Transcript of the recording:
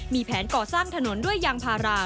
มีแผนก่อสร้างถนนด้วยยางพารา